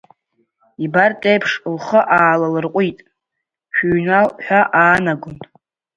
Ибартә еиԥш лхы аалалырҟәит, шәыҩнал ҳәа аанаго.